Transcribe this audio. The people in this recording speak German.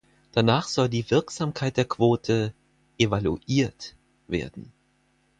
Danach soll die Wirksamkeit der Quote „evaluiert“ werden.